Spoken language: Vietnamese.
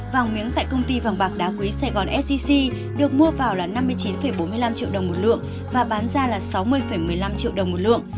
vàng miếng tại công ty vàng bạc đá quý sài gòn sgc được mua vào là năm mươi chín bốn mươi năm triệu đồng một lượng và bán ra là sáu mươi một mươi năm triệu đồng một lượng